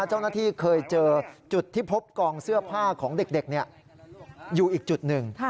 เจ้าหน้าที่เคยเจอจุดที่พบกองเสื้อผ้าของเด็กอยู่อีกจุดหนึ่ง